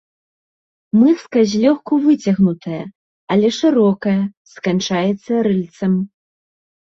Мыска злёгку выцягнутая, але шырокая, сканчаецца рыльцам.